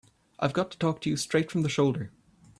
I've got to talk to you straight from the shoulder.